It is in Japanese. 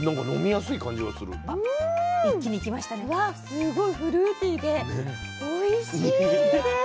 すごいフルーティーでおいしいです。